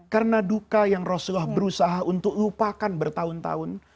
karena duka yang rasulullah berusaha untuk lupakan bertahun tahun